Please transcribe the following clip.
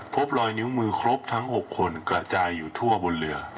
พบรอยนิ้วมือครบทั้ง๖คนกระจายอยู่ทั่วบนเรือ